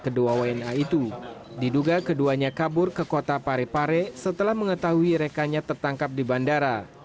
kedua wna itu diduga keduanya kabur ke kota parepare setelah mengetahui rekannya tertangkap di bandara